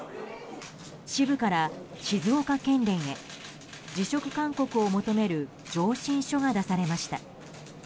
支部から静岡県連へ辞職勧告を求める上申書が出されました。